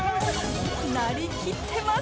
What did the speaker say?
なりきってます！